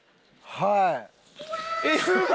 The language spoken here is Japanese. はい。